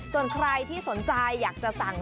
ส่วนใครที่สนใจอยากจะสั่ง